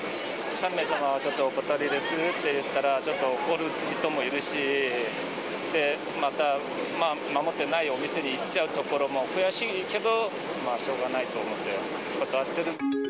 ３名様はちょっとお断りですって言ったら、ちょっと怒る人もいるし、また守ってないお店に行っちゃうところも悔しいけど、しょうがないと思って、断ってる。